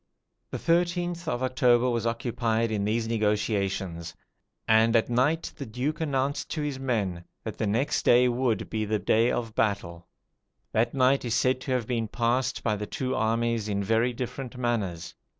] The 13th of October was occupied in these negotiations; and at night the Duke announced to his men that the next day would, be the day of battle. That night is said to have been passed by the two armies in very different manners.